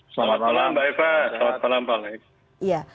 selamat malam mbak eva selamat malam pak